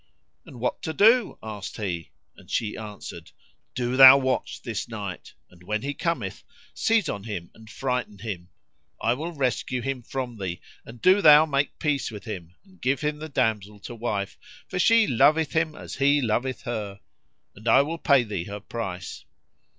"And what to do?" asked he; and she answered, "Do thou watch this night; and, when he cometh, seize on him and frighten him: I will rescue him from thee and do thou make peace with him and give him the damsel to wife, for she loveth him as he loveth her. And I will pay thee her price."